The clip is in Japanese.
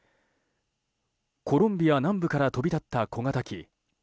コロンビア南部から飛び立った小型機。